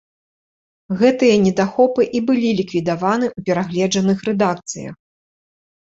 Гэтыя недахопы і былі ліквідаваны ў перагледжаных рэдакцыях.